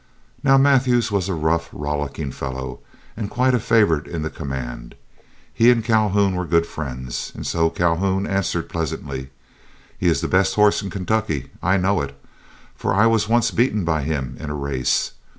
Now, Mathews was a rough, rollicking fellow, and quite a favorite in the command. He and Calhoun were good friends, and so Calhoun answered pleasantly: "He is the best horse in Kentucky. I know it, for I was once beaten by him in a race.